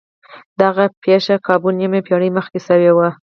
دغه پېښه کابو نيمه پېړۍ مخکې شوې وه.